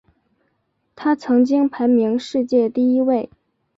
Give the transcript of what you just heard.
他曾经排名世界第一位。